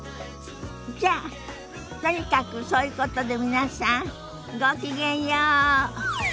じゃあとにかくそういうことで皆さんごきげんよう。